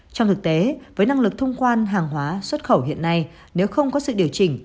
trong thực tế với năng lực thông quan hàng hóa xuất khẩu hiện nay nếu không có sự điều chỉnh